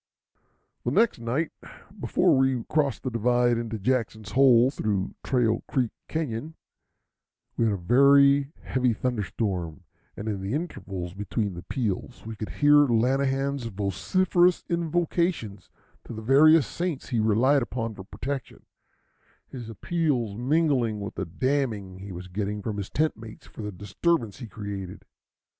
The next night, before we crossed the divide into Jackson's Hole through Trail Creek Cañon, we had a very heavy thunder storm, and in the intervals between the peals we could hear Lanahan's vociferous invocations to the various saints he relied upon for protection, his appeals mingling with the damning he was getting from his tent mates for the disturbance he created.